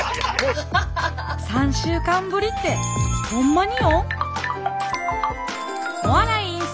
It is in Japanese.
３週間ぶりってほんまによん？